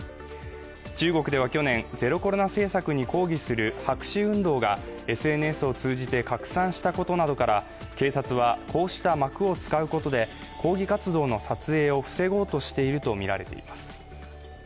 中国では去年、ゼロコロナ政策に抗議する白紙運動がＳＮＳを通じて拡散したことなどから警察はこうした幕を使うことで抗議活動の撮影を防ごうとしているとみられています。